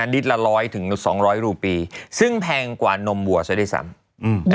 ลิตรละร้อยถึงสองร้อยรูปีซึ่งแพงกว่านมวัวซะด้วยซ้ำ